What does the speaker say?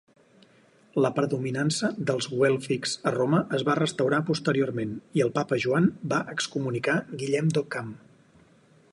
La predominança dels güèlfics a Roma es va restaurar posteriorment i el papa Joan va excomunicar Guillem d'Occam.